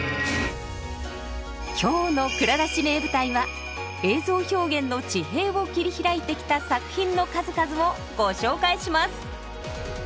今日の「蔵出し！名舞台」は映像表現の地平を切り開いてきた作品の数々をご紹介します。